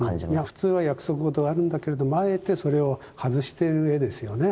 普通は約束事があるんだけれどもあえてそれを外している絵ですよね。